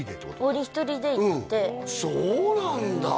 王林１人で行ってそうなんだ